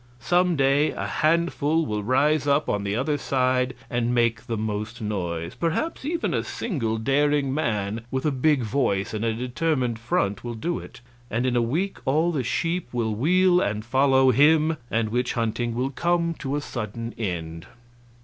Some day a handful will rise up on the other side and make the most noise perhaps even a single daring man with a big voice and a determined front will do it and in a week all the sheep will wheel and follow him, and witch hunting will come to a sudden end.